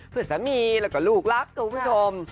คือสามีแล้วก็ลูกรักคุณผู้ชม